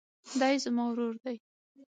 دی زما ورور دئ.